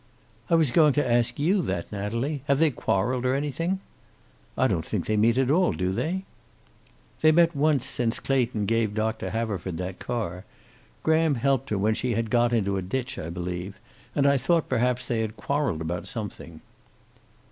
"I was going to ask you that, Natalie. Have they quarreled, or anything?" "I don't think they meet at all, do they?" "They met once since Clayton gave Doctor Haverford the car. Graham helped her when she had got into a ditch, I believe. And I thought perhaps they had quarreled about something."